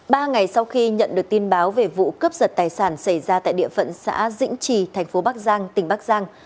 ba ngày sau khi nhận được tin báo về vụ cướp giật tài sản xảy ra tại địa phận xã dĩnh trì thành phố bắc giang tỉnh bắc giang